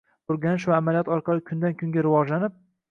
O’rganish va amaliyot orqali kundan-kunga rivojlanib